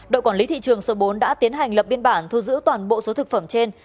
đội quản lý thị trường số bốn đã tiến hành lập biên bản thu giữ toàn bộ số thực phẩm trên